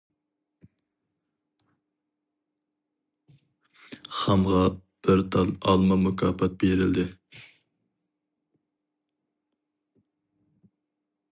خامغا بىر تال ئالما مۇكاپات بېرىلدى.